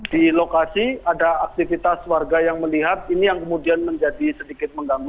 di lokasi ada aktivitas warga yang melihat ini yang kemudian menjadi sedikit mengganggu